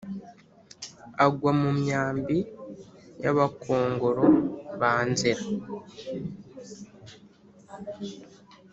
agwa mu myambi y’abakongoro ba nzira